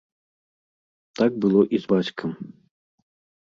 Так было і з бацькам.